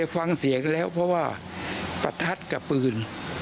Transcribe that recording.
ฟังเสียงแล้วเพราะว่าประทัดกับปืน